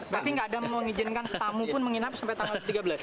berarti nggak ada mengizinkan tamu pun menginap sampai tanggal tiga belas